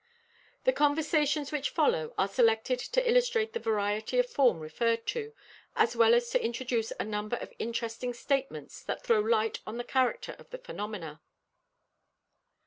The conversations which follow are selected to illustrate the variety of form referred to, as well as to introduce a number of interesting statements that throw light on the character of the phenomena.